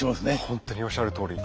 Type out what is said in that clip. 本当におっしゃるとおり。